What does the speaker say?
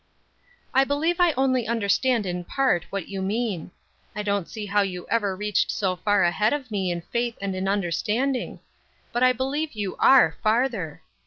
"I believe I only understand in part what you mean. I don't see how you ever reached so far ahead of me in faith and in understanding. But I believe you are farther.